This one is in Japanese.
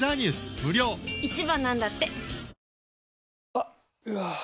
あっ、うわー。